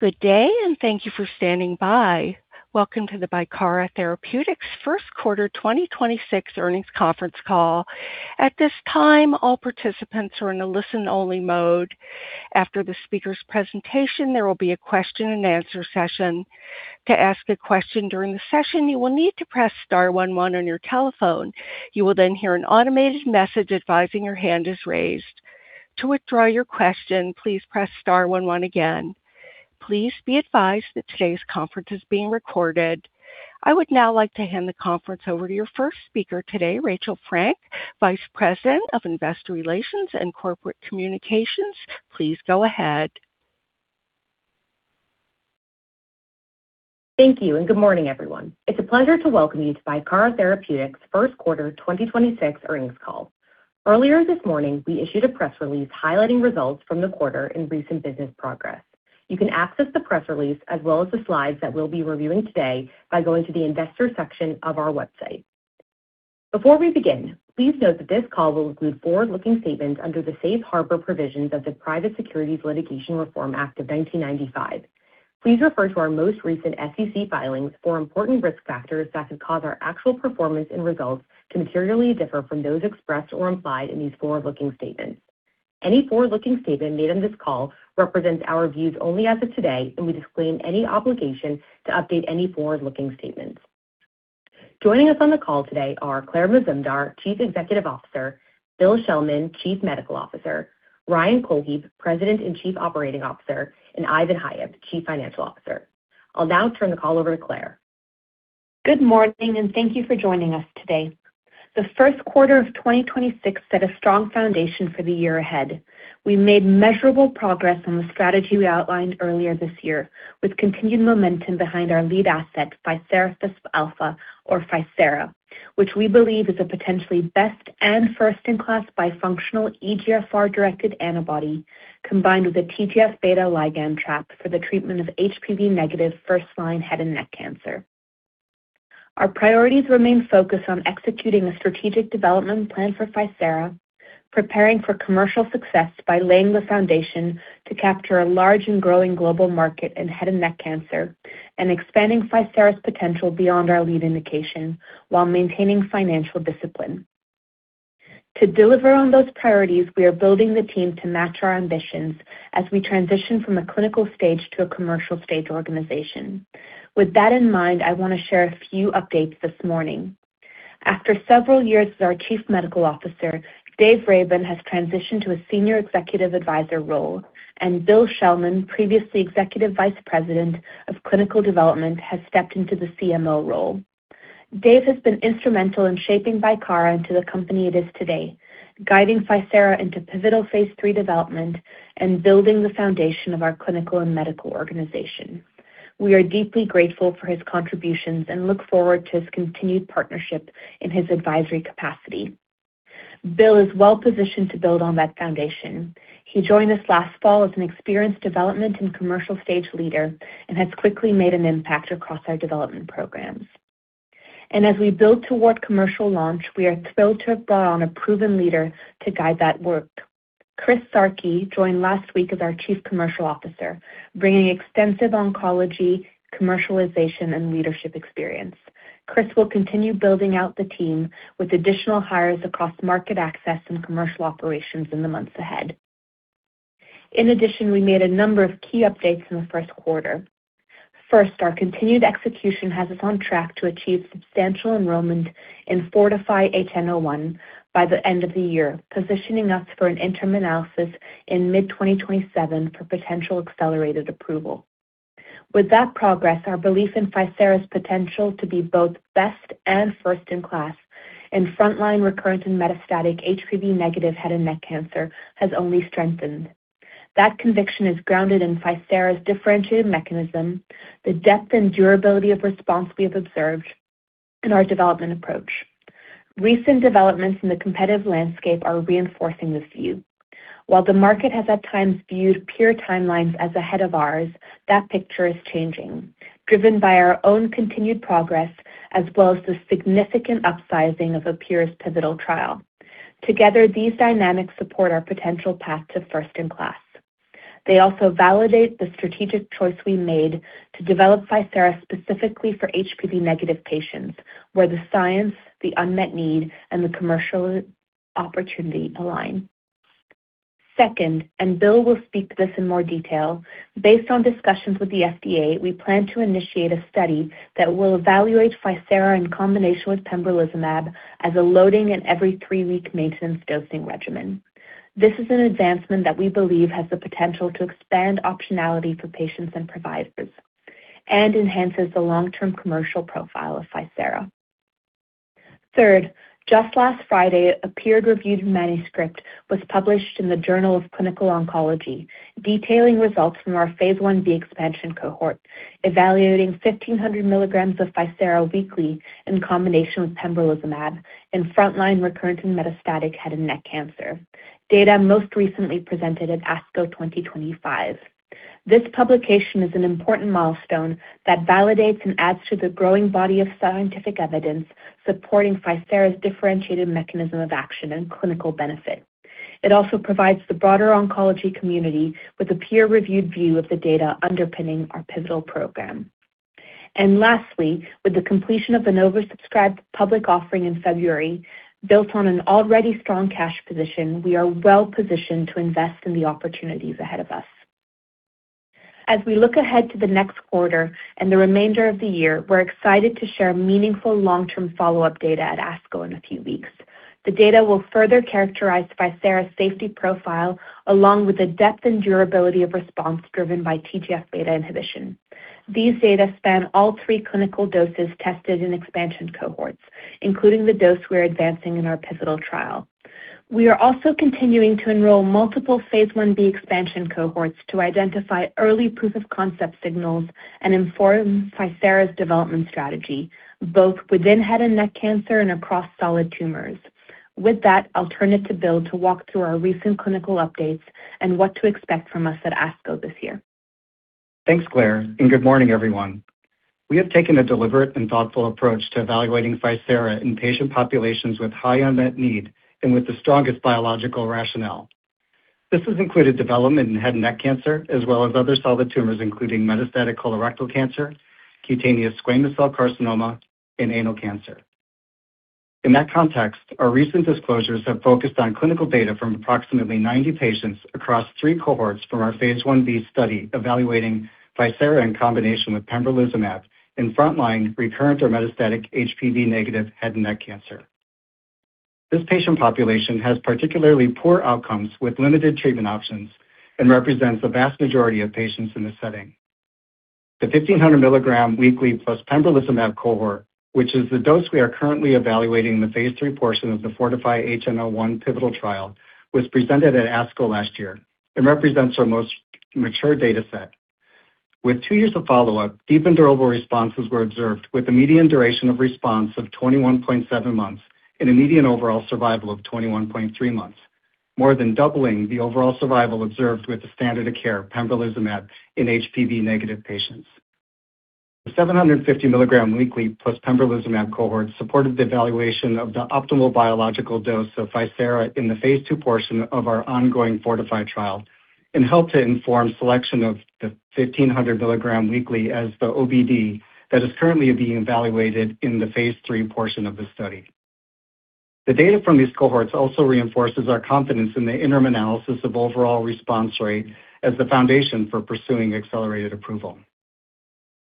Good day, and thank you for standing by. Welcome to the Bicara Therapeutics first quarter 2026 earnings conference call. At this time, all participants are in a listen-only mode. After the speaker's presentation, there will be a question-and-answer session. To ask a question during the session, you will need to press star one one on your telephone. You will hear an automated message advising your hand is raised. To withdraw your question, please press star one one again. Please be advised that today's conference is being recorded. I would now like to hand the conference over to your first speaker today, Rachel Frank, Vice President of Investor Relations and Corporate Communications. Please go ahead. Thank you, and good morning, everyone. It's a pleasure to welcome you to Bicara Therapeutics' first quarter 2026 earnings call. Earlier this morning, we issued a press release highlighting results from the quarter in recent business progress. You can access the press release as well as the slides that we'll be reviewing today by going to the investor section of our website. Before we begin, please note that this call will include forward-looking statements under the Safe Harbor provisions of the Private Securities Litigation Reform Act of 1995. Please refer to our most recent SEC filings for important risk factors that could cause our actual performance and results to materially differ from those expressed or implied in these forward-looking statements. Any forward-looking statement made on this call represents our views only as of today, and we disclaim any obligation to update any forward-looking statements. Joining us on the call today are Claire Mazumdar, Chief Executive Officer, Bill Schelman, Chief Medical Officer, Ryan Cohlhepp, President and Chief Operating Officer, and Ivan Hyep, Chief Financial Officer. I'll now turn the call over to Claire. Good morning, thank you for joining us today. The 1st quarter of 2026 set a strong foundation for the year ahead. We made measurable progress on the strategy we outlined earlier this year, with continued momentum behind our lead asset, ficerafusp alfa or FICERA, which we believe is a potentially best and first-in-class bifunctional EGFR-directed antibody combined with a TGF-beta ligand trap for the treatment of HPV negative first-line head and neck cancer. Our priorities remain focused on executing a strategic development plan for FICERA, preparing for commercial success by laying the foundation to capture a large and growing global market in head and neck cancer, and expanding FICERA's potential beyond our lead indication while maintaining financial discipline. To deliver on those priorities, we are building the team to match our ambitions as we transition from a clinical stage to a commercial stage organization. With that in mind, I want to share a few updates this morning. After several years as our Chief Medical Officer, David Raben has transitioned to a Senior Executive Advisor role, and Bill Schelman, previously Executive Vice President of Clinical Development, has stepped into the CMO role. David has been instrumental in shaping Bicara into the company it is today, guiding FICERA into pivotal phase III development and building the foundation of our clinical and medical organization. We are deeply grateful for his contributions and look forward to his continued partnership in his advisory capacity. Bill is well-positioned to build on that foundation. He joined us last fall as an experienced development and commercial stage leader and has quickly made an impact across our development programs. As we build toward commercial launch, we are thrilled to have brought on a proven leader to guide that work. Chris Sarchi joined last week as our Chief Commercial Officer, bringing extensive oncology, commercialization, and leadership experience. Chris will continue building out the team with additional hires across market access and commercial operations in the months ahead. In addition, we made a number of key updates in the first quarter. First, our continued execution has us on track to achieve substantial enrollment in FORTIFY-HN01 by the end of the year, positioning us for an interim analysis in mid-2027 for potential accelerated approval. With that progress, our belief in FICERA's potential to be both best and first-in-class in frontline recurrent and metastatic HPV-negative head and neck cancer has only strengthened. That conviction is grounded in FICERAS's differentiated mechanism, the depth and durability of response we have observed in our development approach. Recent developments in the competitive landscape are reinforcing this view. While the market has at times viewed peer timelines as ahead of ours, that picture is changing, driven by our own continued progress as well as the significant upsizing of a peer's pivotal trial. Together, these dynamics support our potential path to first-in-class. They also validate the strategic choice we made to develop FICERA specifically for HPV-negative patients, where the science, the unmet need, and the commercial opportunity align. Second, and Bill will speak to this in more detail, based on discussions with the FDA, we plan to initiate a study that will evaluate FICERA in combination with pembrolizumab as a loading and every three-week maintenance dosing regimen. This is an advancement that we believe has the potential to expand optionality for patients and providers and enhances the long-term commercial profile of FICERA. Just last Friday, a peer-reviewed manuscript was published in the Journal of Clinical Oncology detailing results from our phase Ib expansion cohort evaluating 1,500 mg of FICERA weekly in combination with pembrolizumab in frontline recurrent and metastatic head and neck cancer, data most recently presented at ASCO 2025. This publication is an important milestone that validates and adds to the growing body of scientific evidence supporting FICERA's differentiated mechanism of action and clinical benefit. It also provides the broader oncology community with a peer-reviewed view of the data underpinning our pivotal program. Lastly, with the completion of an oversubscribed public offering in February, built on an already strong cash position, we are well-positioned to invest in the opportunities ahead of us. As we look ahead to the next quarter and the remainder of the year, we're excited to share meaningful long-term follow-up data at ASCO in a few weeks. The data will further characterize FICERA's safety profile, along with the depth and durability of response driven by TGF-beta inhibition. These data span all three clinical doses tested in expansion cohorts, including the dose we're advancing in our pivotal trial. We are also continuing to enroll multiple phase Ib expansion cohorts to identify early proof of concept signals and inform FICERA's development strategy, both within head and neck cancer and across solid tumors. With that, I'll turn it to Bill to walk through our recent clinical updates and what to expect from us at ASCO this year. Thanks, Claire, and good morning, everyone. We have taken a deliberate and thoughtful approach to evaluating FICERA in patient populations with high unmet need and with the strongest biological rationale. This has included development in head and neck cancer, as well as other solid tumors, including metastatic colorectal cancer, cutaneous squamous cell carcinoma, and anal cancer. In that context, our recent disclosures have focused on clinical data from approximately 90 patients across three cohorts from our phase Ib study evaluating FICERA in combination with pembrolizumab in front-line recurrent or metastatic HPV-negative head and neck cancer. This patient population has particularly poor outcomes with limited treatment options and represents the vast majority of patients in this setting. The 1,500 mg weekly plus pembrolizumab cohort, which is the dose we are currently evaluating in the phase III portion of the FORTIFY-HN01 pivotal trial, was presented at ASCO last year and represents our most mature data set. With two years of follow-up, deep and durable responses were observed with a median duration of response of 21.7 months and a median overall survival of 21.3 months, more than doubling the overall survival observed with the standard of care pembrolizumab in HPV-negative patients. The 750 mg weekly plus pembrolizumab cohort supported the evaluation of the optimal biological dose of FICERA in the phase II portion of our ongoing FORTIFY trial and helped to inform selection of the 1,500 mg weekly as the OBD that is currently being evaluated in the phase III portion of the study. The data from these cohorts also reinforces our confidence in the interim analysis of overall response rate as the foundation for pursuing accelerated approval.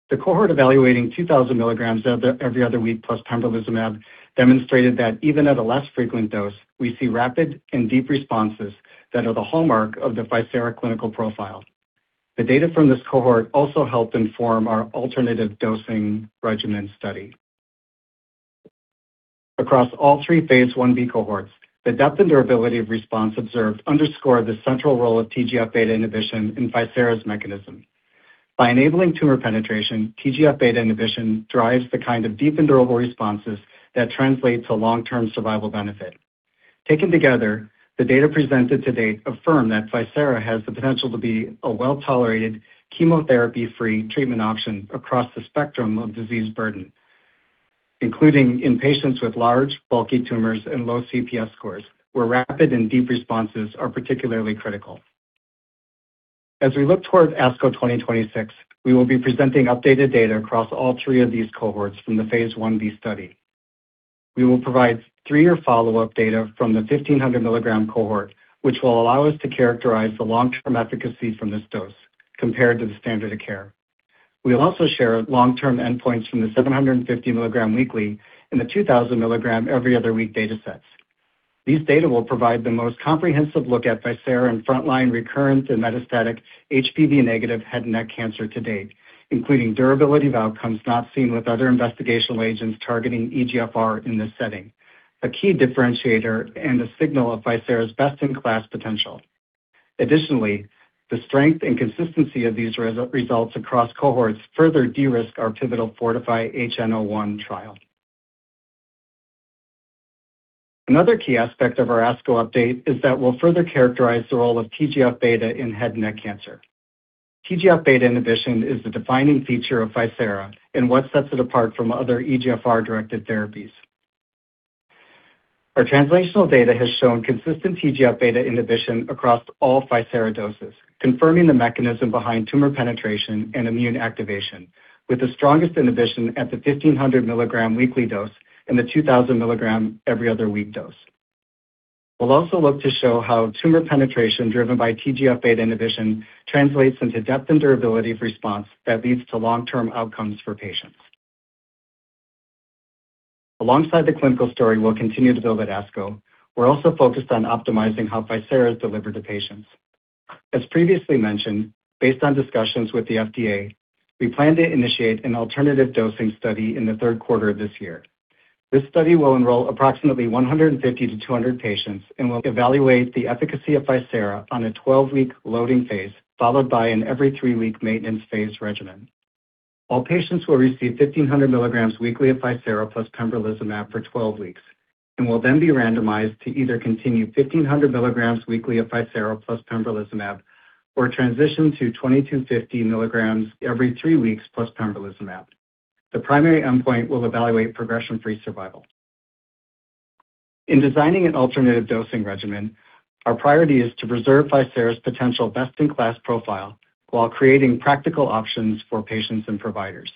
The cohort evaluating 2,000 mg of the every other week plus pembrolizumab demonstrated that even at a less frequent dose, we see rapid and deep responses that are the hallmark of the FICERA clinical profile. The data from this cohort also helped inform our alternative dosing regimen study. Across all three phase Ib cohorts, the depth and durability of response observed underscore the central role of TGF-beta inhibition in FICERA's mechanism. By enabling tumor penetration, TGF-beta inhibition drives the kind of deep and durable responses that translate to long-term survival benefit. Taken together, the data presented to date affirm that FICERA has the potential to be a well-tolerated chemotherapy-free treatment option across the spectrum of disease burden, including in patients with large, bulky tumors and low CPS scores, where rapid and deep responses are particularly critical. As we look towards ASCO 2026, we will be presenting updated data across all three of these cohorts from the phase Ib study. We will provide three-year follow-up data from the 1,500 mg cohort, which will allow us to characterize the long-term efficacy from this dose compared to the standard of care. We will also share long-term endpoints from the 750 mg weekly and the 2,000 mg every other week data sets. These data will provide the most comprehensive look at FICERA in front-line recurrent and metastatic HPV-negative head and neck cancer to date, including durability of outcomes not seen with other investigational agents targeting EGFR in this setting, a key differentiator and a signal of FICERA's best-in-class potential. Additionally, the strength and consistency of these results across cohorts further de-risk our pivotal FORTIFY-HN01 trial. Another key aspect of our ASCO update is that we'll further characterize the role of TGF-beta in head and neck cancer. TGF-beta inhibition is the defining feature of FICERA and what sets it apart from other EGFR-directed therapies. Our translational data has shown consistent TGF-beta inhibition across all FICERA doses, confirming the mechanism behind tumor penetration and immune activation, with the strongest inhibition at the 1,500 mg weekly dose and the 2,000 mg every other week dose. We'll also look to show how tumor penetration driven by TGF-beta inhibition translates into depth and durability of response that leads to long-term outcomes for patients. Alongside the clinical story we'll continue to build at ASCO, we're also focused on optimizing how FICERA is delivered to patients. As previously mentioned, based on discussions with the FDA, we plan to initiate an alternative dosing study in the third quarter of this year. This study will enroll approximately 150 to 200 patients and will evaluate the efficacy of FICERA on a 12-week loading phase, followed by an every three-week maintenance phase regimen. All patients will receive 1,500 mg weekly of FICERA plus pembrolizumab for 12 weeks and will then be randomized to either continue 1,500 mg weekly of FICERA plus pembrolizumab or transition to 2,250 mg every three weeks plus pembrolizumab. The primary endpoint will evaluate progression-free survival. In designing an alternative dosing regimen, our priority is to preserve FICERA's potential best-in-class profile while creating practical options for patients and providers.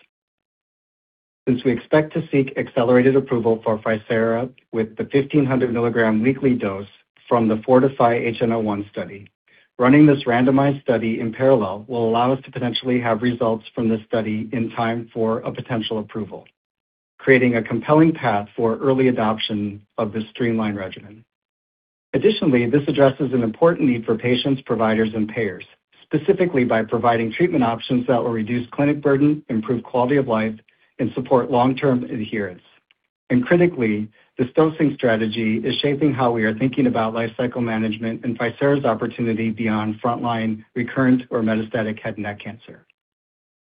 We expect to seek accelerated approval for FICERA with the 1,500 mg weekly dose from the FORTIFY-HN01 study, running this randomized study in parallel will allow us to potentially have results from this study in time for a potential approval, creating a compelling path for early adoption of this streamlined regimen. Additionally, this addresses an important need for patients, providers, and payers, specifically by providing treatment options that will reduce clinic burden, improve quality of life, and support long-term adherence. Critically, this dosing strategy is shaping how we are thinking about life cycle management and FICERA's opportunity beyond frontline, recurrent, or metastatic head and neck cancer.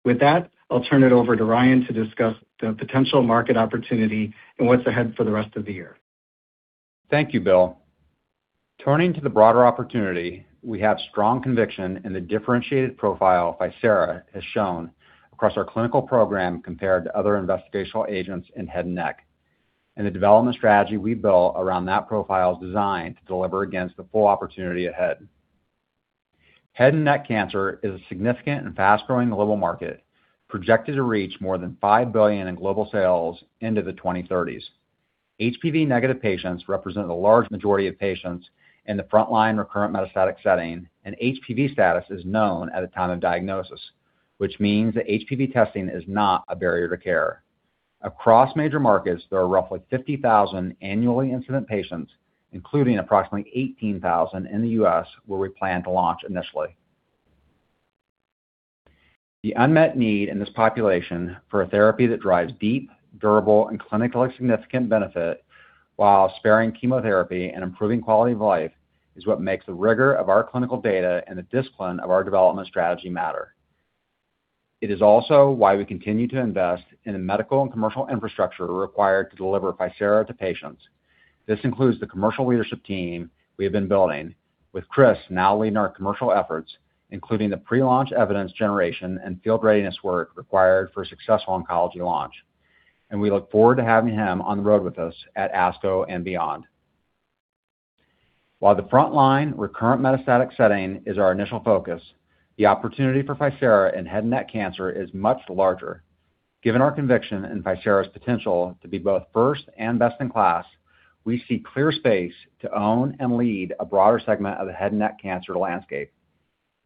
With that, I'll turn it over to Ryan to discuss the potential market opportunity and what's ahead for the rest of the year. Thank you, Bill. Turning to the broader opportunity, we have strong conviction in the differentiated profile FICERA has shown across our clinical program compared to other investigational agents in head and neck, and the development strategy we built around that profile is designed to deliver against the full opportunity ahead. Head and neck cancer is a significant and fast-growing global market projected to reach more than $5 billion in global sales into the 2030s. HPV-negative patients represent a large majority of patients in the frontline recurrent metastatic setting, and HPV status is known at the time of diagnosis, which means that HPV testing is not a barrier to care. Across major markets, there are roughly 50,000 annually incident patients, including approximately 18,000 in the U.S., where we plan to launch initially. The unmet need in this population for a therapy that drives deep, durable, and clinically significant benefit while sparing chemotherapy and improving quality of life is what makes the rigor of our clinical data and the discipline of our development strategy matter. It is also why we continue to invest in the medical and commercial infrastructure required to deliver FICERA to patients. This includes the commercial leadership team we have been building, with Chris now leading our commercial efforts, including the pre-launch evidence generation and field readiness work required for a successful oncology launch, and we look forward to having him on the road with us at ASCO and beyond. While the frontline recurrent metastatic setting is our initial focus, the opportunity for FICERA in head and neck cancer is much larger. Given our conviction in FICERA's potential to be both first and best in class, we see clear space to own and lead a broader segment of the head and neck cancer landscape.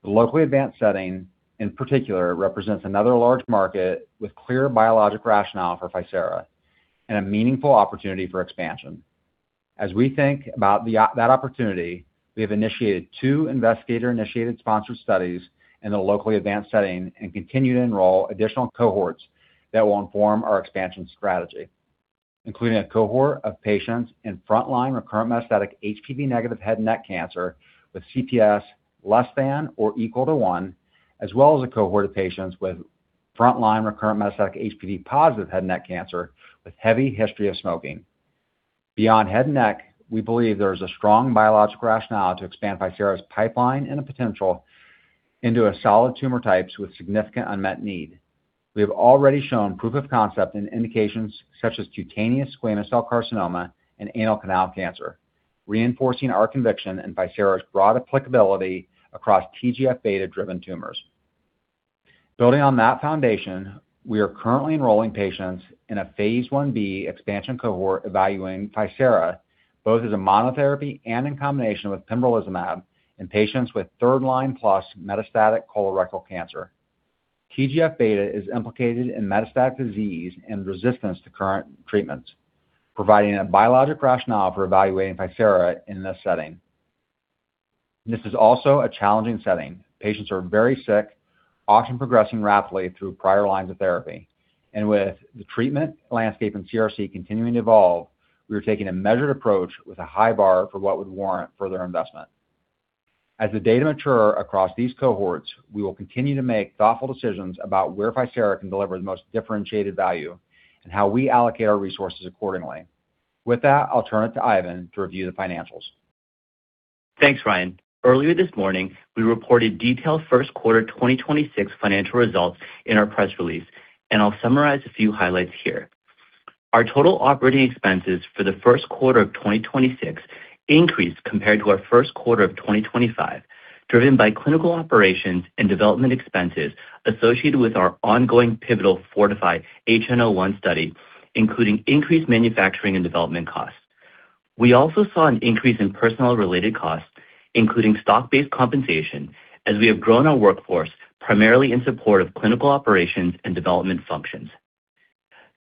The locally advanced setting, in particular, represents another large market with clear biologic rationale for FICERA and a meaningful opportunity for expansion. As we think about that opportunity, we have initiated two investigator-initiated sponsored studies in the locally advanced setting and continue to enroll additional cohorts that will inform our expansion strategy, including a cohort of patients in frontline recurrent metastatic HPV negative head and neck cancer with CPS less than or equal to one as well as a cohort of patients with frontline recurrent metastatic HPV positive head and neck cancer with heavy history of smoking. Beyond head and neck, we believe there is a strong biologic rationale to expand FICERA's pipeline and the potential into a solid tumor types with significant unmet need. We have already shown proof of concept in indications such as cutaneous squamous cell carcinoma and anal canal cancer, reinforcing our conviction in FICERA's broad applicability across TGF-beta driven tumors. Building on that foundation, we are currently enrolling patients in a phase Ib expansion cohort evaluating FICERA both as a monotherapy and in combination with pembrolizumab in patients with third line plus metastatic colorectal cancer. TGF-beta is implicated in metastatic disease and resistance to current treatments, providing a biologic rationale for evaluating FICERA in this setting. This is also a challenging setting. Patients are very sick, often progressing rapidly through prior lines of therapy. With the treatment landscaped i CRC continuing to evolve, we are taking a measured approach with a high bar for what would warrant further investment. As the data mature across these cohorts, we will continue to make thoughtful decisions about where FICERA can deliver the most differentiated value and how we allocate our resources accordingly. With that, I'll turn it to Ivan to review the financials. Thanks, Ryan. Earlier this morning, we reported detailed first quarter 2026 financial results in our press release. I'll summarize a few highlights here. Our total operating expenses for the first quarter of 2026 increased compared to our first quarter of 2025, driven by clinical operations and development expenses associated with our ongoing pivotal FORTIFY-HN01 study, including increased manufacturing and development costs. We also saw an increase in personnel-related costs, including stock-based compensation, as we have grown our workforce primarily in support of clinical operations and development functions.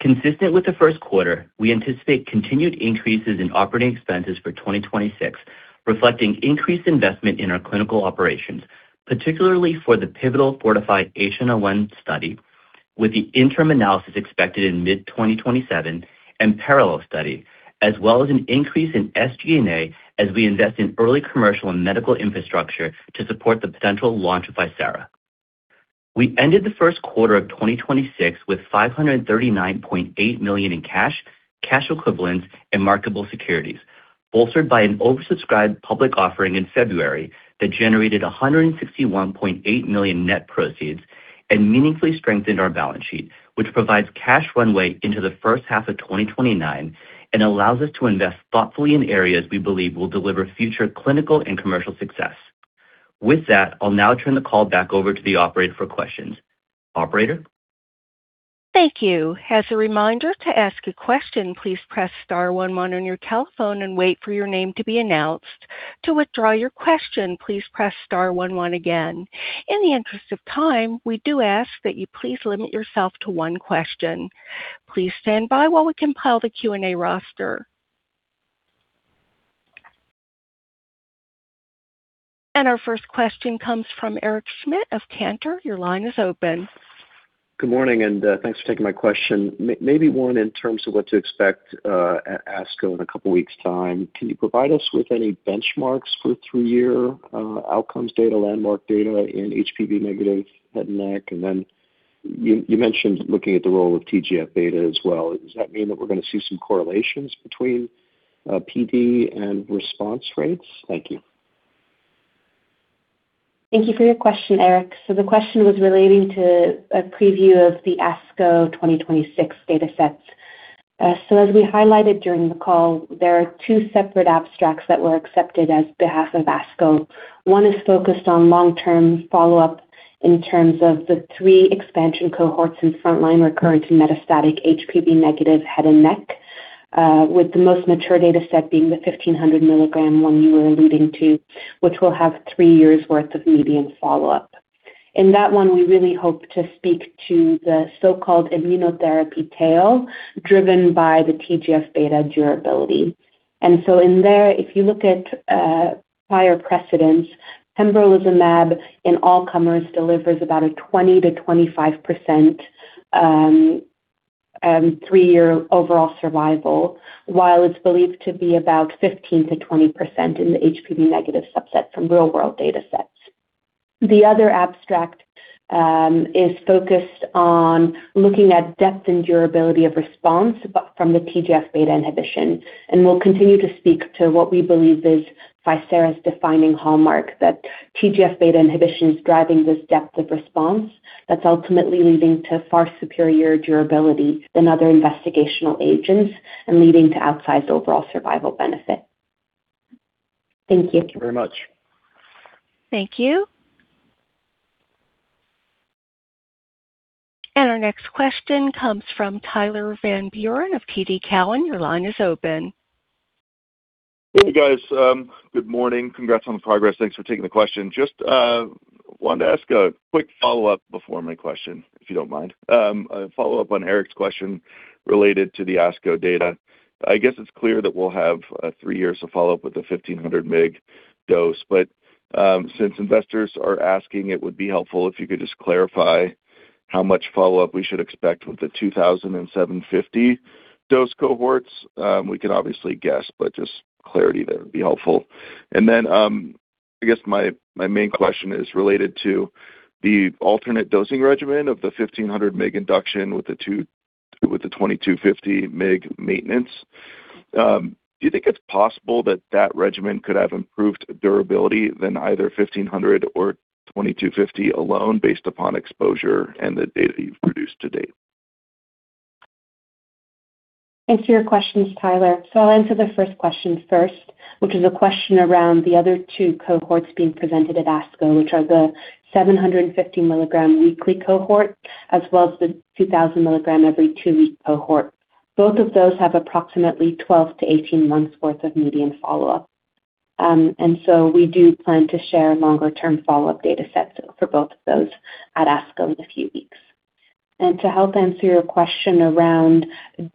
Consistent with the first quarter, we anticipate continued increases in operating expenses for 2026, reflecting increased investment in our clinical operations, particularly for the pivotal FORTIFY-HN01 study with the interim analysis expected in mid-2027 and parallel study, as well as an increase in SG&A as we invest in early commercial and medical infrastructure to support the potential launch of FICERA. We ended the first quarter of 2026 with $539.8 million in cash, cash equivalents, and marketable securities. Bolstered by an oversubscribed public offering in February that generated $161.8 million net proceeds and meaningfully strengthened our balance sheet, which provides cash runway into the first half of 2029 and allows us to invest thoughtfully in areas we believe will deliver future clinical and commercial success. With that, I'll now turn the call back over to the operator for questions. Operator? Thank you. As a reminder, to ask a question, please press star one one on your telephone and wait for your name to be announced. To withdraw your question, please press star one one again. In the interest of time, we do ask that you please limit yourself to one question. Please stand by while we compile the Q&A roster. Our first question comes from Eric Schmidt of Cantor. Your line is open. Good morning. Thanks for taking my question. Maybe one in terms of what to expect at ASCO in a couple of weeks' time. Can you provide us with any benchmarks for three-year outcomes data, landmark data in HPV negative head and neck? Then you mentioned looking at the role of TGF-beta as well. Does that mean that we're gonna see some correlations between PD and response rates? Thank you. Thank you for your question, Eric. The question was relating to a preview of the ASCO 2026 datasets. As we highlighted during the call, there are two separate abstracts that were accepted as behalf of ASCO. One is focused on long-term follow-up in terms of the three expansion cohorts in frontline recurrent and metastatic HPV negative head and neck, with the most mature dataset being the 1,500 mg one you were alluding to, which will have three years' worth of median follow-up. In that one, we really hope to speak to the so-called immunotherapy tail driven by the TGF-beta durability. In there, if you look at prior precedents, pembrolizumab in all comers delivers about a 20%-25% three-year overall survival, while it's believed to be about 15%-20% in the HPV negative subset from real-world datasets. The other abstract is focused on looking at depth and durability of response but from the TGF-beta inhibition. We'll continue to speak to what we believe is FICERA's defining hallmark, that TGF-beta inhibition is driving this depth of response that's ultimately leading to far superior durability than other investigational agents and leading to outsized overall survival benefit. Thank you. Thank you very much. Thank you. Our next question comes from Tyler Van Buren of TD Cowen. Your line is open. Hey, guys. Good morning. Congrats on the progress. Thanks for taking the question. Just wanted to ask a quick follow-up before my question, if you don't mind. A follow-up on Eric's question related to the ASCO data. I guess it's clear that we'll have three years of follow-up with the 1,500 mg dose, but since investors are asking, it would be helpful if you could just clarify how much follow-up we should expect with the 2,750 dose cohorts. We can obviously guess, but just clarity there would be helpful. Then, I guess my main question is related to the alternate dosing regimen of the 1,500 mg induction with the 2,250 mg maintenance. Do you think it's possible that that regimen could have improved durability than either 1,500 mg or 2,250 mg alone based upon exposure and the data you've produced to date? Thanks for your questions, Tyler. I'll answer the first question first, which is a question around the other two cohorts being presented at ASCO, which are the 750 mg weekly cohort as well as the 2,000 mg every two week cohort. Both of those have approximately 12 to 18 months' worth of median follow-up. We do plan to share longer-term follow-up datasets for both of those at ASCO in a few weeks. To help answer your question around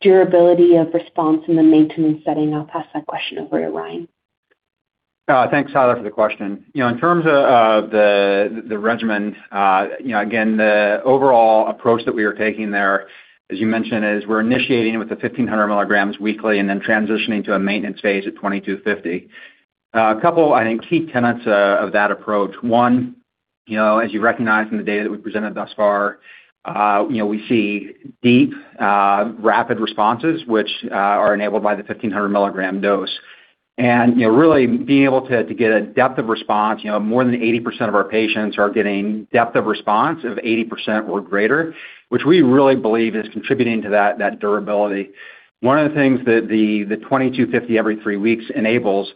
durability of response in the maintenance setting, I'll pass that question over to Ryan. Thanks, Tyler, for the question. You know, in terms of the regimen, you know, again, the overall approach that we are taking there, as you mentioned, is we're initiating with the 1,500 mg weekly and then transitioning to a maintenance phase at 2,250 mg. A couple, I think, key tenets of that approach. One, you know, as you recognize from the data that we've presented thus far, you know, we see deep, rapid responses which are enabled by the 1,500 mg dose. You know, really being able to get a depth of response, you know, more than 80% of our patients are getting depth of response of 80% or greater, which we really believe is contributing to that durability. One of the things that the 2,250 mg every three weeks enables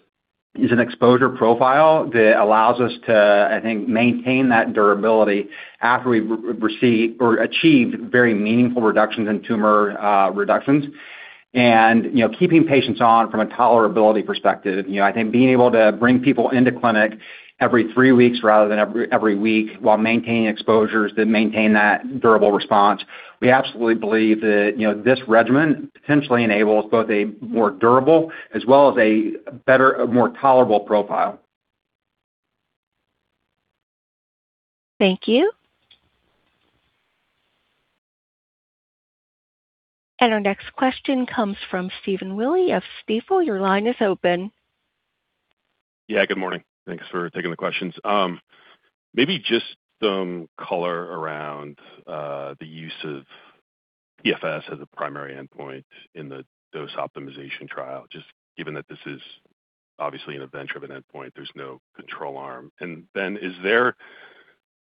is an exposure profile that allows us to, I think, maintain that durability after we've received or achieved very meaningful reductions in tumor reductions. You know, keeping patients on from a tolerability perspective, you know, I think being able to bring people into clinic every three weeks rather than every week while maintaining exposures that maintain that durable response, we absolutely believe that, you know, this regimen potentially enables both a more durable as well as a better, a more tolerable profile. Thank you. Our next question comes from Stephen Willey of Stifel. Your line is open. Yeah, good morning. Thanks for taking the questions. Maybe just some color around the use of PFS as a primary endpoint in the dose optimization trial, just given that this is obviously an adventure of an endpoint, there's no control arm. Is there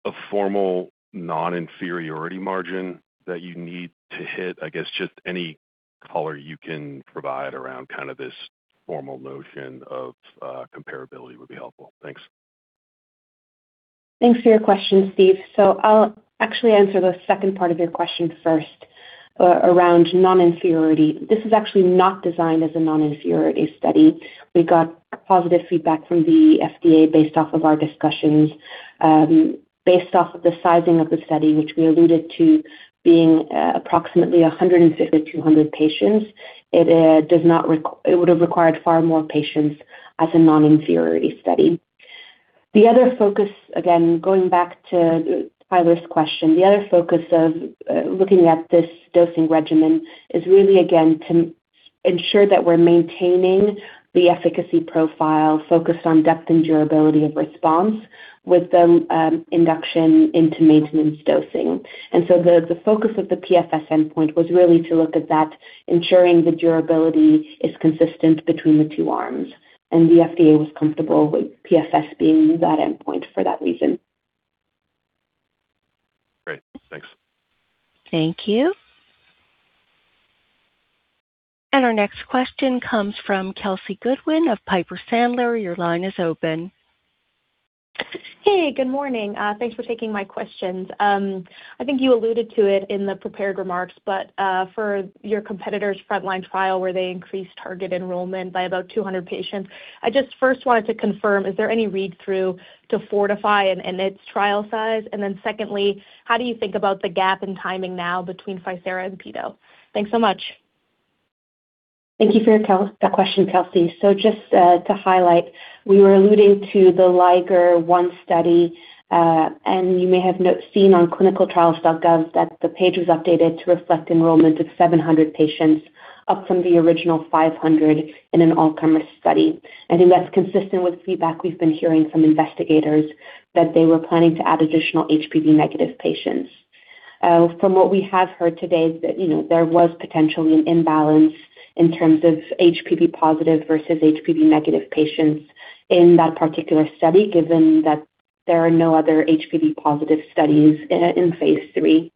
a formal non-inferiority margin that you need to hit? I guess just any color you can provide around kind of this formal notion of comparability would be helpful. Thanks. Thanks for your question, Steve. I'll actually answer the second part of your question first, around non-inferiority. This is actually not designed as a non-inferiority study. We got positive feedback from the FDA based off of our discussions. Based off of the sizing of the study, which we alluded to being, approximately 150 to 200 patients, it would have required far more patients as a non-inferiority study. The other focus, again, going back to Tyler's question, the other focus of looking at this dosing regimen is really, again, to ensure that we're maintaining the efficacy profile focused on depth and durability of response with the induction into maintenance dosing. The focus of the PFS endpoint was really to look at that, ensuring the durability is consistent between the two arms. The FDA was comfortable with PFS being that endpoint for that reason. Great. Thanks. Thank you. Our next question comes from Kelsey Goodwin of Piper Sandler. Your line is open. Hey, good morning. Thanks for taking my questions. I think you alluded to it in the prepared remarks, but for your competitor's frontline trial where they increased target enrollment by about 200 patients, I just first wanted to confirm, is there any read-through to Fortify in its trial size? Secondly, how do you think about the gap in timing now between FICERA and PETO? Thanks so much. Thank you for your that question, Kelsey. Just to highlight, we were alluding to the LiGeR-1 study, and you may have not seen on ClinicalTrials.gov that the page was updated to reflect enrollment of 700 patients, up from the original 500 in an all-comer study. I think that's consistent with feedback we've been hearing from investigators that they were planning to add additional HPV-negative patients. From what we have heard today is that, you know, there was potentially an imbalance in terms of HPV-positive versus HPV-negative patients in that particular study, given that there are no other HPV-positive studies in phase III.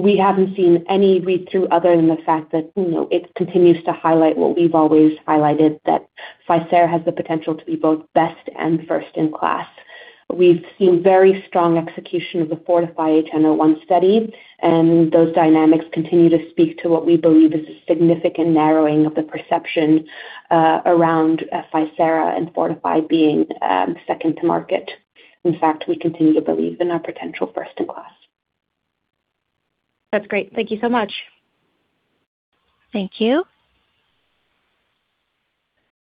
We haven't seen any read-through other than the fact that, you know, it continues to highlight what we've always highlighted, that FICERA has the potential to be both best and first in class. We've seen very strong execution of the FORTIFY-HN01 study, and those dynamics continue to speak to what we believe is a significant narrowing of the perception around FICERA and FORTIFY being second to market. In fact, we continue to believe in our potential first in class. That's great. Thank you so much. Thank you.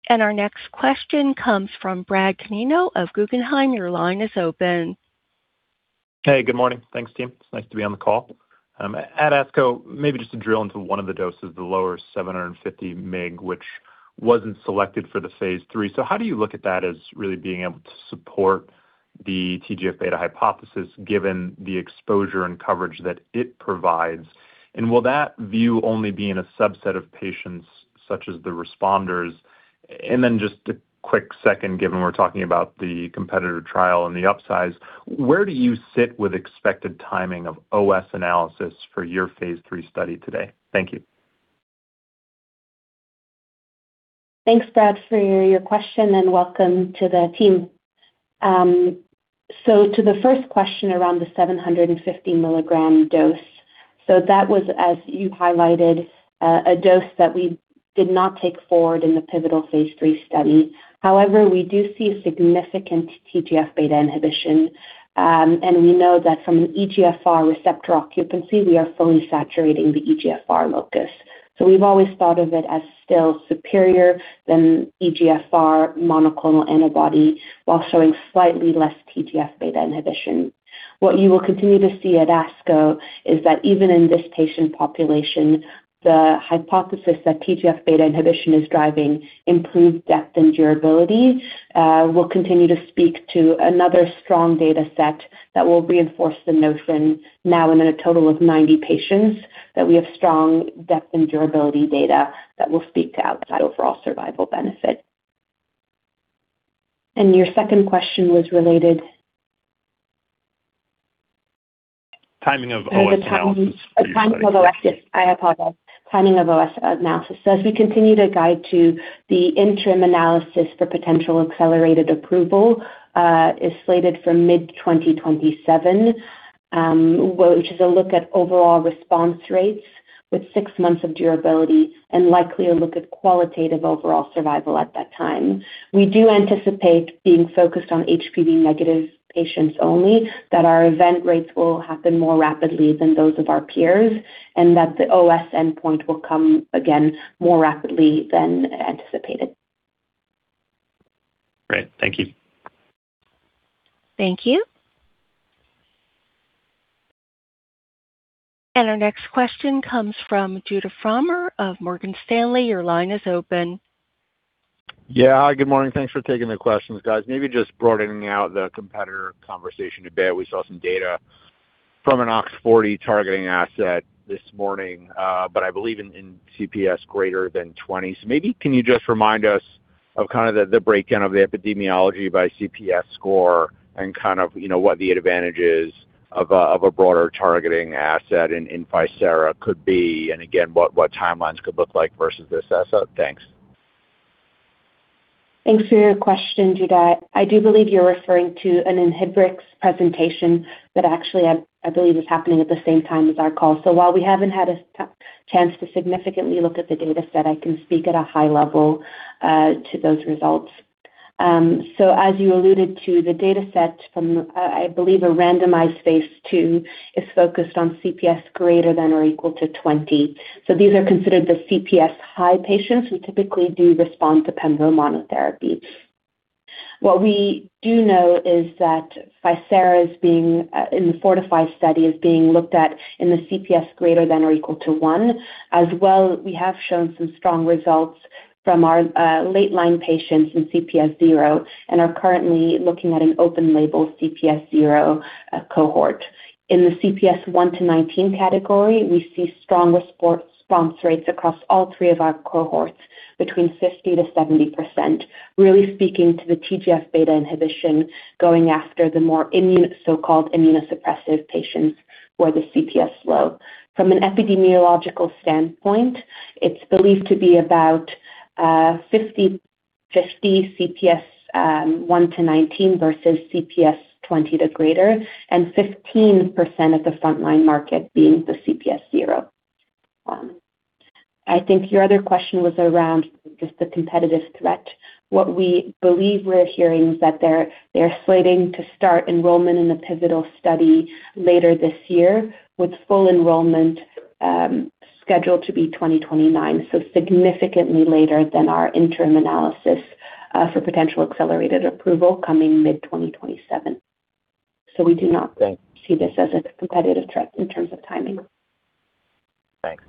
Our next question comes from Bradley Canino of Guggenheim. Your line is open. Hey, good morning. Thanks, team. It's nice to be on the call. At ASCO, maybe just to drill into one of the doses, the lower 750 mg, which wasn't selected for the phase III. How do you look at that as really being able to support the TGF-beta hypothesis, given the exposure and coverage that it provides? Will that view only be in a subset of patients such as the responders? Just a quick second, given we're talking about the competitor trial and the upsize, where do you sit with expected timing of OS analysis for your phase III study today? Thank you. Thanks, Brad, for your question. Welcome to the team. To the first question around the 750 mg dose. That was, as you highlighted, a dose that we did not take forward in the pivotal phase III study. However, we do see significant TGF-beta inhibition. We know that from an EGFR receptor occupancy, we are fully saturating the EGFR locus. We've always thought of it as still superior than EGFR monoclonal antibody while showing slightly less TGF-beta inhibition. What you will continue to see at ASCO is that even in this patient population, the hypothesis that TGF-beta inhibition is driving improved depth and durability, will continue to speak to another strong data set that will reinforce the notion now in a total of 90 patients, that we have strong depth and durability data that will speak to outside overall survival benefit. Your second question was related Timing of OS analysis for your study. The timing for OS. Yes, I apologize. Timing of OS analysis. As we continue to guide to the interim analysis for potential accelerated approval, is slated for mid 2027, which is a look at overall response rates with six months of durability and likely a look at qualitative overall survival at that time. We do anticipate being focused on HPV negative patients only, that our event rates will happen more rapidly than those of our peers, and that the OS endpoint will come again more rapidly than anticipated. Great. Thank you. Thank you. Our next question comes from Judah Frommer of Morgan Stanley. Your line is open. Yeah. Hi, good morning. Thanks for taking the questions, guys. Maybe just broadening out the competitor conversation a bit. We saw some data from an OX40 targeting asset this morning, but I believe in CPS greater than 20. Maybe can you just remind us of kind of the breakdown of the epidemiology by CPS score and kind of, you know, what the advantages of a broader targeting asset in FICERA could be, and again, what timelines could look like versus this asset? Thanks. Thanks for your question, Judah. I do believe you're referring to an ENHERTU presentation that actually I believe is happening at the same time as our call. While we haven't had a chance to significantly look at the dataset, I can speak at a high level to those results. As you alluded to, the dataset from I believe a randomized phase II is focused on CPS greater than or equal to 20. These are considered the CPS high patients who typically do respond to pembro monotherapy. What we do know is that FICERA is being in the FORTIFY study, is being looked at in the CPS greater than or equal to one. As well, we have shown some strong results from our late line patients in CPS 0 and are currently looking at an open label CPS 0 cohort. In the CPS 1-19 category, we see strong response rates across all three of our cohorts between 50%-70%, really speaking to the TGF-beta inhibition going after the more immune, so-called immunosuppressive patients who are the CPS low. From an epidemiological standpoint, it's believed to be about 50/50 CPS 1-19 versus CPS 20 to greater, and 15% of the frontline market being the CPS 0. I think your other question was around just the competitive threat. What we believe we're hearing is that they're slating to start enrollment in the pivotal study later this year, with full enrollment scheduled to be 2029, so significantly later than our interim analysis for potential accelerated approval coming mid-2027. We do not- Thanks. See this as a competitive threat in terms of timing. Thanks.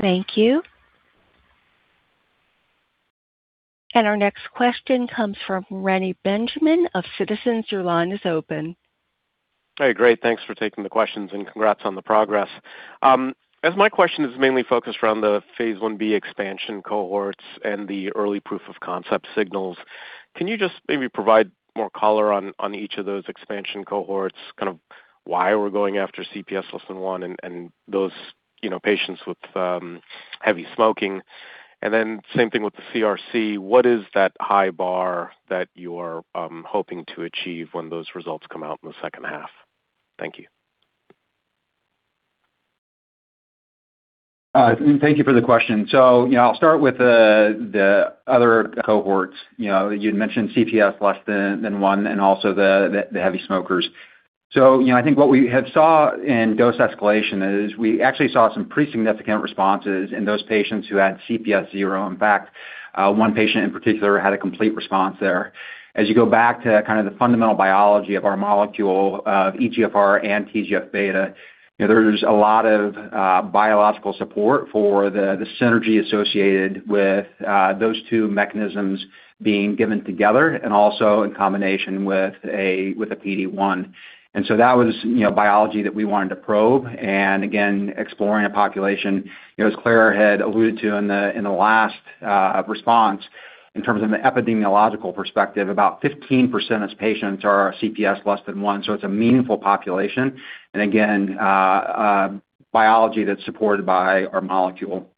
Thank you. Our next question comes from Reni Benjamin of Citizens. Your line is open. Hey, great. Thanks for taking the questions, and congrats on the progress. As my question is mainly focused around the phase Ib expansion cohorts and the early proof of concept signals, can you just maybe provide more color on each of those expansion cohorts, kind of why we're going after CPS less than one and those patients with heavy smoking? Same thing with the CRC. What is that high bar that you're hoping to achieve when those results come out in the second half? Thank you. Thank you for the question. You know, I'll start with the other cohorts. You know, you'd mentioned CPS less than one and also the, the heavy smokers. You know, I think what we had saw in dose escalation is we actually saw some pretty significant responses in those patients who had CPS 0. In fact, one patient in particular had a complete response there. As you go back to kind of the fundamental biology of our molecule of EGFR and TGF-beta, you know, there's a lot of biological support for the synergy associated with those two mechanisms being given together and also in combination with a, with a PD-1. That was, you know, biology that we wanted to probe and again, exploring a population. You know, as Claire had alluded to in the last response, in terms of an epidemiological perspective, about 15% of patients are CPS less than 1, so it's a meaningful population, and again, a biology that's supported by our molecule.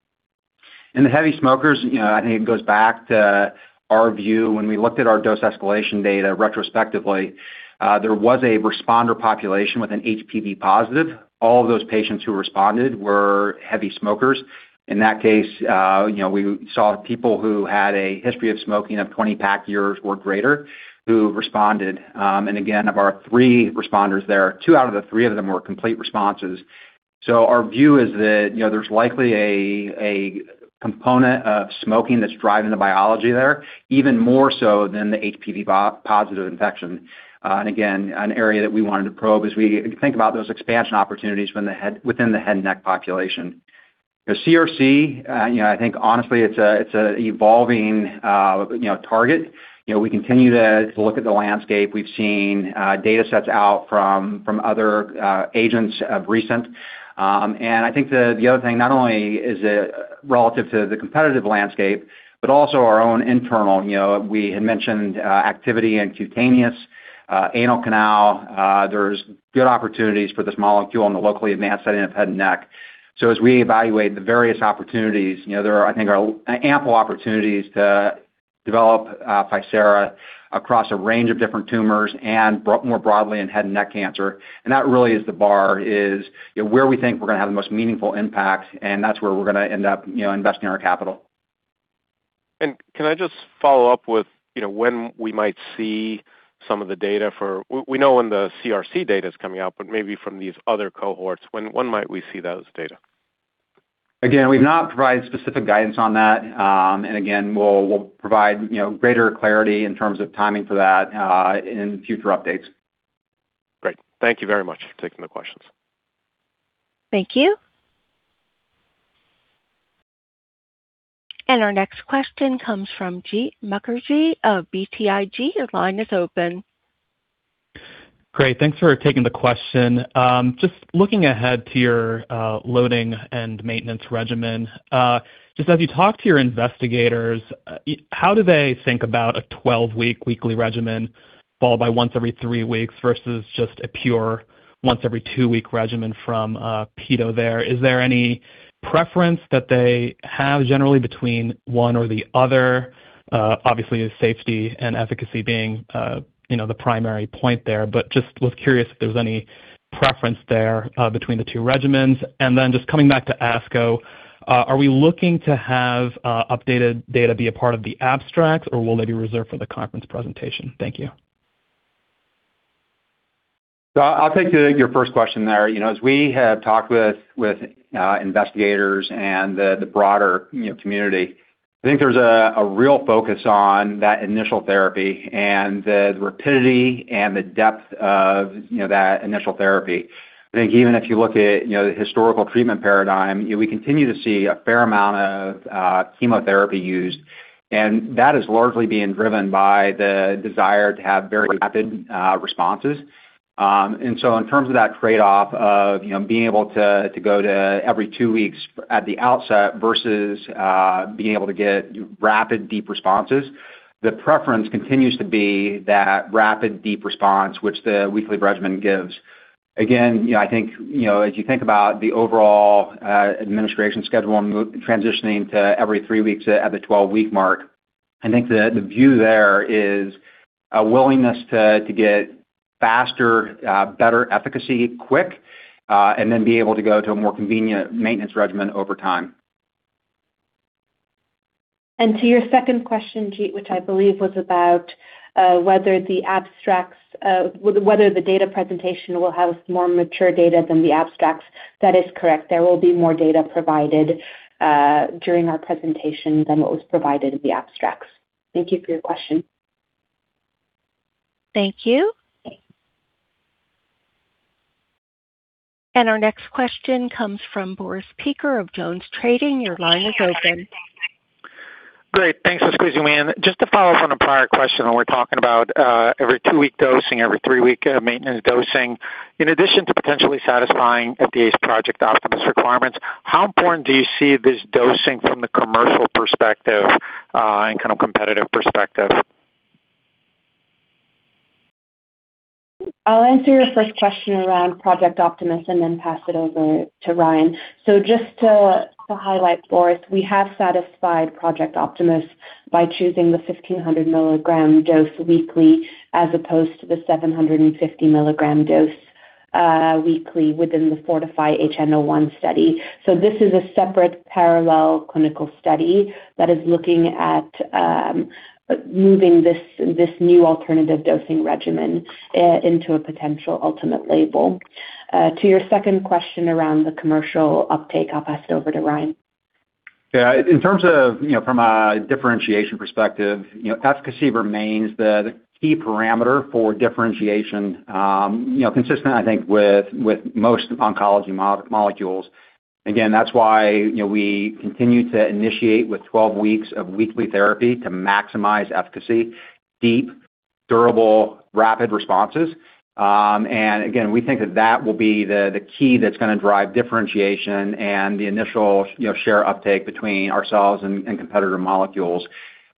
In the heavy smokers, you know, I think it goes back to our view when we looked at our dose escalation data retrospectively, there was a responder population with an HPV positive. All of those patients who responded were heavy smokers. In that case, you know, we saw people who had a history of smoking of 20 pack years or greater who responded. Again, of our three responders there, two out of the three of them were complete responses. Our view is that, you know, there's likely a component of smoking that's driving the biology there, even more so than the HPV-positive infection. Again, an area that we wanted to probe as we think about those expansion opportunities within the head and neck population. CRC, you know, I think honestly, it's an evolving, you know, target. You know, we continue to look at the landscape. We've seen datasets out from other agents of recent. I think the other thing, not only is it relative to the competitive landscape, but also our own internal. You know, we had mentioned activity in cutaneous, anal canal. There's good opportunities for this molecule in the locally advanced setting of head and neck. As we evaluate the various opportunities, you know, there are, I think, are ample opportunities to develop, FICERA across a range of different tumors and more broadly in head and neck cancer. That really is the bar, is, you know, where we think we're gonna have the most meaningful impact, and that's where we're gonna end up, you know, investing our capital. Can I just follow up with, you know, when we might see some of the data for We know when the CRC data's coming out, but maybe from these other cohorts, when might we see those data? Again, we've not provided specific guidance on that. Again, we'll provide, you know, greater clarity in terms of timing for that in future updates. Great. Thank you very much for taking the questions. Thank you. Our next question comes from Jeet Mukherjee of BTIG. Your line is open. Great. Thanks for taking the question. Just looking ahead to your loading and maintenance regimen, just as you talk to your investigators, how do they think about a 12-week weekly regimen followed by once every three weeks versus just a pure once every two week regimen from Pido there? Is there any preference that they have generally between one or the other? Obviously, safety and efficacy being, you know, the primary point there, but just was curious if there's any preference there between the two regimens. Then just coming back to ASCO, are we looking to have updated data be a part of the abstracts, or will they be reserved for the conference presentation? Thank you. I'll take your first question there. You know, as we have talked with investigators and the broader, you know, community, I think there's a real focus on that initial therapy and the rapidity and the depth of, you know, that initial therapy. I think even if you look at, you know, the historical treatment paradigm, we continue to see a fair amount of chemotherapy used, and that is largely being driven by the desire to have very rapid responses. In terms of that trade-off of, you know, being able to go to every two weeks at the outset versus being able to get rapid deep responses, the preference continues to be that rapid deep response which the weekly regimen gives. Again, you know, I think, you know, as you think about the overall administration schedule and transitioning to every three weeks at the 12-week mark, I think the view there is a willingness to get faster, better efficacy quick, and then be able to go to a more convenient maintenance regimen over time. To your second question, Jeet, which I believe was about whether the data presentation will have more mature data than the abstracts, that is correct. There will be more data provided during our presentation than what was provided in the abstracts. Thank you for your question. Thank you. Our next question comes from Boris Peaker of Jones Trading. Your line is open. Great. Thanks for squeezing me in. Just to follow up on a prior question when we're talking about every two week dosing, every three week maintenance dosing. In addition to potentially satisfying FDA's Project Optimus requirements, how important do you see this dosing from the commercial perspective, and kind of competitive perspective? I'll answer your first question around Project Optimus and then pass it over to Ryan. Just to highlight, Boris, we have satisfied Project Optimus by choosing the 1,500 mg dose weekly as opposed to the 750 mg dose weekly within the FORTIFY-HN01 study. This is a separate parallel clinical study that is looking at moving this new alternative dosing regimen into a potential ultimate label. To your second question around the commercial uptake, I'll pass it over to Ryan. Yeah. In terms of, you know, from a differentiation perspective, you know, efficacy remains the key parameter for differentiation, you know, consistent, I think, with most oncology molecules. Again, that's why, you know, we continue to initiate with 12 weeks of weekly therapy to maximize efficacy, deep, durable, rapid responses. And again, we think that that will be the key that's gonna drive differentiation and the initial, you know, share uptake between ourselves and competitor molecules.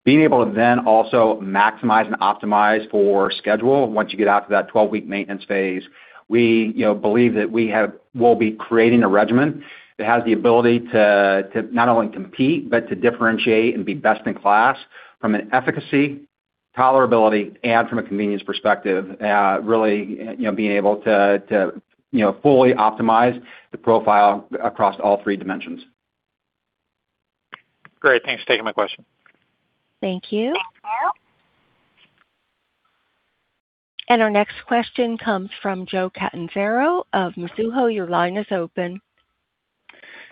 Being able to also maximize and optimize for schedule once you get out to that 12-week maintenance phase, we, you know, believe that we'll be creating a regimen that has the ability to not only compete, but to differentiate and be best in class from an efficacy, tolerability, and from a convenience perspective, really, you know, being able to, you know, fully optimize the profile across all three dimensions. Great. Thanks for taking my question. Thank you. Our next question comes from Joe Catanzaro of Mizuho. Your line is open.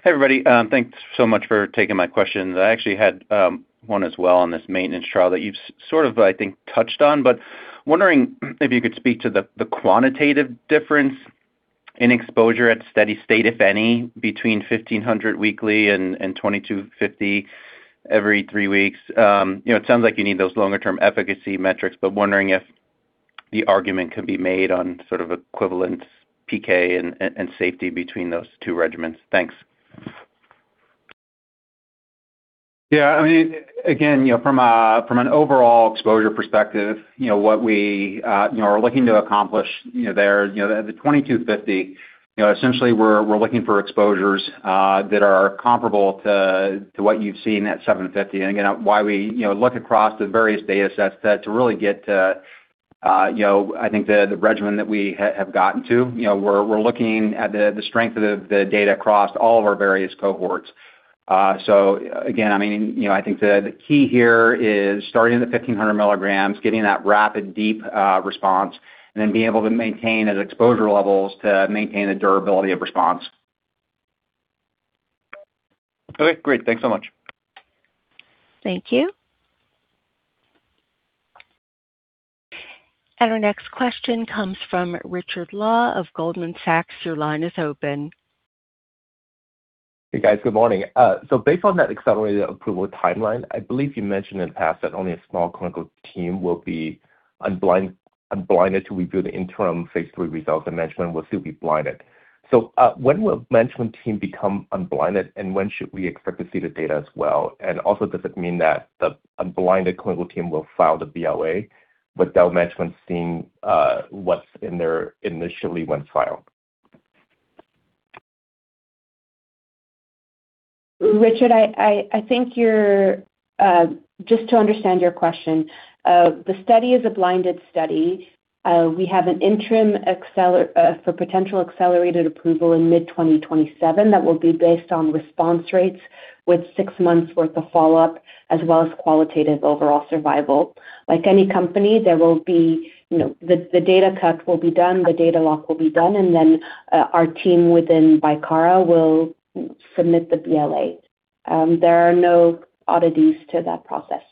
Hey, everybody. Thanks so much for taking my questions. I actually had one as well on this maintenance trial that you've sort of, I think, touched on. Wondering if you could speak to the quantitative difference in exposure at steady state, if any, between 1,500 mg weekly and 2,250 mg every three weeks. You know, it sounds like you need those longer-term efficacy metrics, but wondering if the argument could be made on sort of equivalent PK and safety between those two regimens. Thanks. I mean, again, from an overall exposure perspective, what we are looking to accomplish there, the 2250 mg, essentially, we're looking for exposures that are comparable to what you've seen at 750. Again, why we look across the various datasets to really get to, I think the regimen that we have gotten to. We're looking at the strength of the data across all of our various cohorts. Again, I mean, I think the key here is starting at the 1500 mg, getting that rapid deep response, and then being able to maintain those exposure levels to maintain the durability of response. Okay, great. Thanks so much. Thank you. Our next question comes from Richard Law of Goldman Sachs. Your line is open. Hey, guys. Good morning. Based on that accelerated approval timeline, I believe you mentioned in the past that only a small clinical team will be unblinded to review the interim phase III results and management will still be blinded. When will management team become unblinded, and when should we expect to see the data as well? Does it mean that the unblinded clinical team will file the BLA without management seeing what's in there initially when filed? Richard, I think you're Just to understand your question, the study is a blinded study. We have an interim for potential accelerated approval in mid 2027 that will be based on response rates with six months' worth of follow-up as well as qualitative overall survival. Like any company, there will be, you know, the data cut will be done, the data lock will be done, and then, our team within Bicara will submit the BLA. There are no oddities to that process.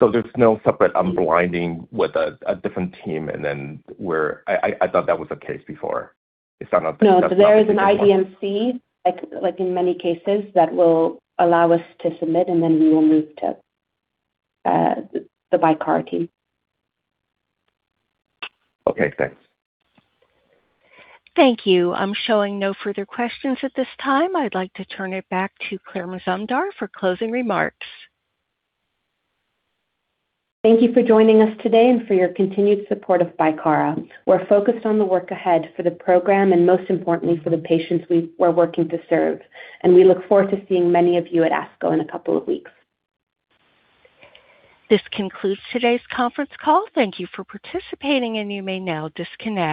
There's no separate unblinding with a different team and then where I thought that was the case before. No. There is an IDMC, like in many cases, that will allow us to submit, and then we will move to the Bicara team. Okay, thanks. Thank you. I'm showing no further questions at this time. I'd like to turn it back to Claire Mazumdar for closing remarks. Thank you for joining us today and for your continued support of Bicara. We're focused on the work ahead for the program and, most importantly, for the patients we're working to serve. We look forward to seeing many of you at ASCO in a couple of weeks. This concludes today's conference call. Thank you for participating, and you may now disconnect.